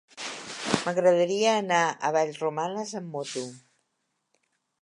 M'agradaria anar a Vallromanes amb moto.